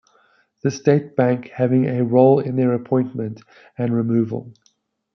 The State Bank having a role in their appointment and removal.